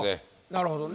なるほどね。